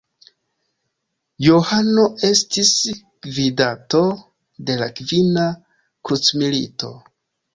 Johano estis gvidanto de la Kvina Krucmilito.